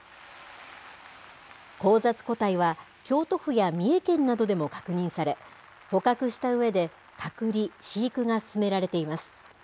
交雑個体は京都府や三重県などでも確認され、捕獲したうえで、隔離、飼育が進められています。